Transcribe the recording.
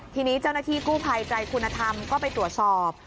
ทีนี้เจ้าหน้าที่กู้ภัยไตรคุณธรรมก็ไปตรวจสอบ